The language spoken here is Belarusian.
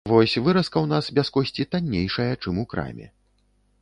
Вось выразка ў нас без косці таннейшая, чым у краме.